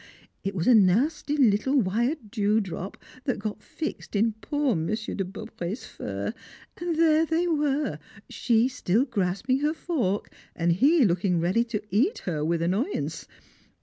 It was a nasty little wired dewdrop that got fixed in poor Monsieur de Beaupré's fur, and there they were: she still grasping her fork and he looking ready to eat her with annoyance.